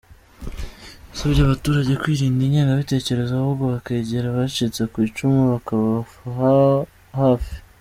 Yasabye abaturage kwirinda ingengabitekerezo ahubwo bakegera abacitse ku icumu bakababa hafi.